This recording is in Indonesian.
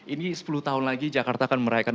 ini sepuluh tahun lagi jakarta akan merayakan